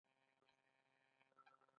سړی بازار ته لاړ.